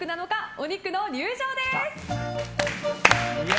お肉の入場です。